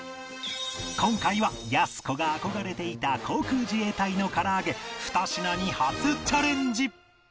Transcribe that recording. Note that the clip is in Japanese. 今回はやす子が憧れていた航空自衛隊の空上げ２品に初チャレンジ！